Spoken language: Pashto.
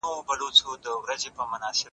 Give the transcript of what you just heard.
انا په ډېرې سختۍ سره خپله ساه کنټرول کړه.